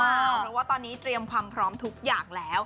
เพราะว่าตอนนี้เตรียมความพร้อมทุกอย่างแล้ว